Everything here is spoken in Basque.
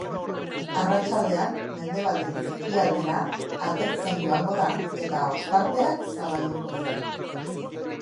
Arratsaldean, mendebaldetik ekialdera atertzen joango da eta ostarteak zabalduko dira.